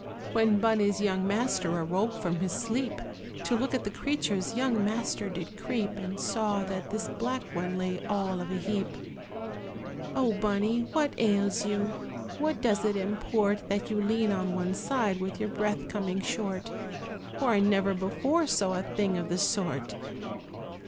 When Bunny's young master awoke up from sleep, To look at the creatures young master did creep, And saw that this black one lay all of a heap. "O Bunny, what ails you? What does it import That you lean on one side, with your breath coming short? For I never before saw a thing of the sort!"